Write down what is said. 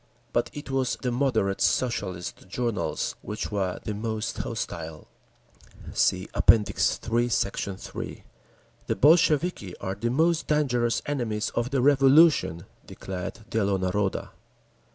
But it was the "moderate" Socialist journals which were the most hostile. (See App. III, Sect. 3) "The Bolsheviki are the most dangerous enemies of the Revolution," declared _Dielo Naroda.